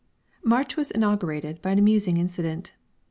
_ March was inaugurated by an amusing incident.